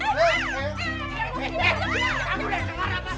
kamu udah yang dengar apa